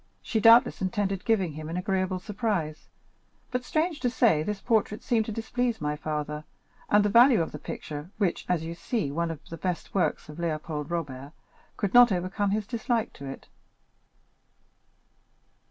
She doubtless intended giving him an agreeable surprise; but, strange to say, this portrait seemed to displease my father, and the value of the picture, which is, as you see, one of the best works of Léopold Robert, could not overcome his dislike to it.